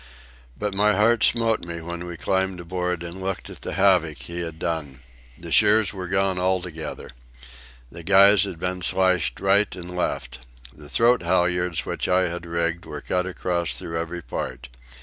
But my heart smote me when we climbed aboard and looked at the havoc he had done. The shears were gone altogether. The guys had been slashed right and left. The throat halyards which I had rigged were cut across through every part.